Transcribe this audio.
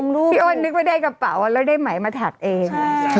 แล้วได้ไหมมาถัดเอง